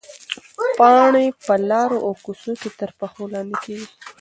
پاڼې په لارو او کوڅو کې تر پښو لاندې کېږي.